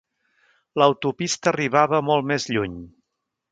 L'autopista arribava molt més lluny.